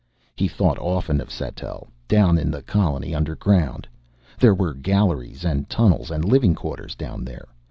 He thought often of Sattell, down in the colony underground. There were galleries and tunnels and living quarters down there.